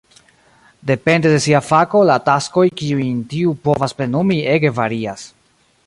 Depende de sia fako, la taskoj kiujn tiu povas plenumi ege varias.